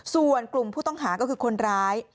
ส่วนกลุ่มผู้ต้องหาก็คือคนร้าย